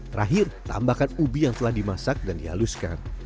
terakhir tambahkan ubi yang telah dimasak dan dihaluskan